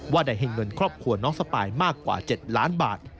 ได้ให้เงินครอบครัวน้องสปายมากกว่า๗ล้านบาท